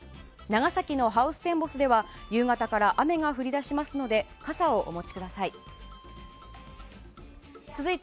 長崎のハウステンボスでは夕方から雨が降り出しますので傘をお持ちください。